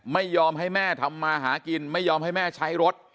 ไม่ยอมให้แม่ทำมาหากินไม่ยอมให้แม่ใช้รถ